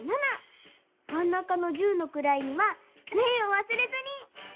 まん中の十のくらいには「０」をわすれずに！